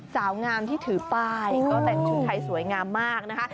สาวงามที่ถือป้ายก็แต่งชุดไทยสวยงามมากนะคะ